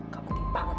kau putih banget